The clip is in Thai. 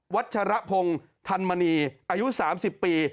ัชรพงศ์ธันมณีอายุ๓๐ปี